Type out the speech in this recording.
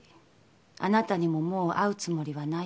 あなたにももう会うつもりはないから。